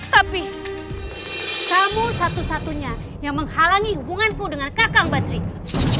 tapi kamu satu satunya yang menghalangi hubunganku dengan kakang badrik